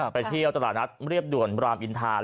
ไปเที่ยวตลาดนัดเรียบด่วนรามอินทา